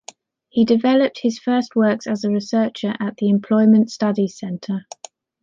He developed his first works as a researcher at the Employment Studies Center.